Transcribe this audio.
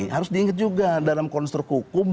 harus diingat juga dalam konstruk hukum